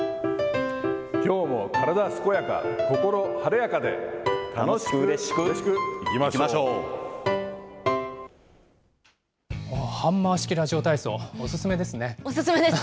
きょうも体健やか、心晴れやかで、ハンマー式ラジオ体操、お勧めですか。